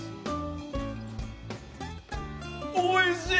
おいしい！